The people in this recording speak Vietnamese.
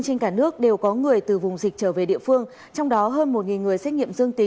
xin chào và hẹn gặp lại